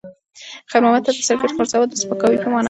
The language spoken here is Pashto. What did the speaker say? خیر محمد ته د سګرټ غورځول د سپکاوي په مانا و.